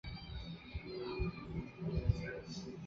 同治十二年以审理杨乃武与小白菜一案闻名。